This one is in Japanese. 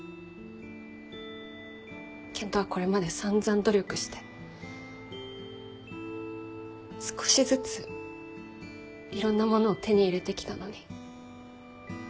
健人はこれまで散々努力して少しずついろんなものを手に入れてきたのに。